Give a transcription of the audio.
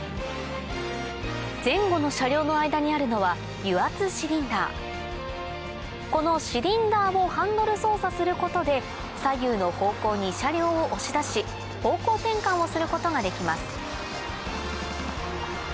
前後の車両の間にあるのはこのシリンダーをハンドル操作することで左右の方向に車両を押し出し方向転換をすることができます